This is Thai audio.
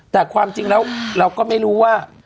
แต่ความจริงแล้วเราก็ไม่รู้ว่า